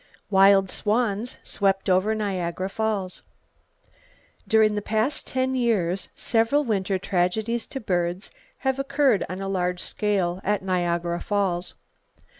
Wild Swans Swept Over Niagara Falls. —During the past ten years, several winter tragedies to birds have occurred on a large scale at Niagara Falls.